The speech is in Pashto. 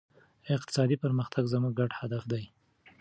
اقتصادي پرمختګ زموږ ګډ هدف دی.